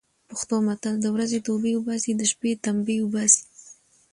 پښتو متل: د ورځې توبې اوباسي، د شپې تمبې اوباسي.